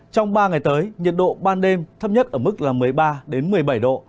trong ba ngày tới nhiệt độ ban đêm thấp nhất ở mức là một mươi ba một mươi bảy độ